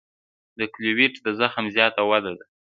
د کیلویډ د زخم زیاته وده ده.